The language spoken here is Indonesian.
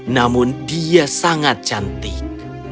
namun dia sangat cantik